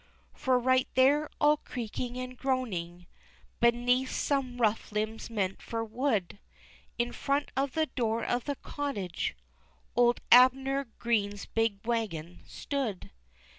For right there all creaking and groaning, Beneath some rough limbs meant for wood, In front of the door of the cottage Old Abner Green's big waggon stood.